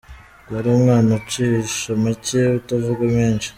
Yari umwana ucisha make utavuga menshi.